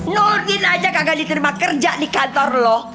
nordin aja kagak diterima kerja di kantor lo